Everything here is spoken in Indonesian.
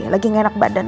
lagi gak enak badan